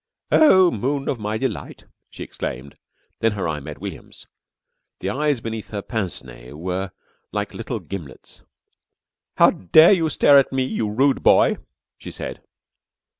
"'Oh, moon of my delight....'" she declaimed, then her eye met William's. The eyes beneath her pince nez were like little gimlets. "How dare you stare at me, you rude boy?" she said.